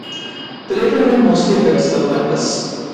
The latter wind mostly affects the pampas.